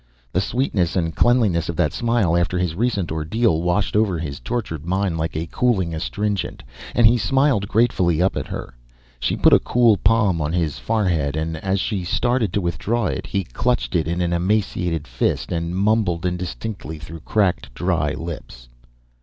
The sweetness and cleanness of that smile after his recent ordeal washed over his tortured mind like a cooling astringent, and he smiled gratefully up at her. She put a cool palm on his forehead and as she started to withdraw it he clutched it in an emaciated fist and mumbled indistinctly through cracked dry lips.